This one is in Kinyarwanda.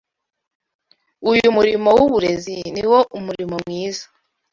Uyu murimo w’uburezi ni wo murimo mwiza